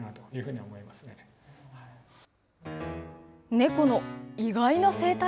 猫の意外な生態？